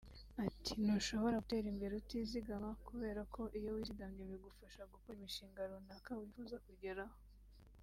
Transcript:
Ati” Ntushobora gutera imbere utizigama kubera ko iyo wizigamye bigufasha gukora imishinga runaka wifuza kugeraho